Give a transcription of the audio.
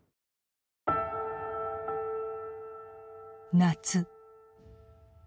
夏。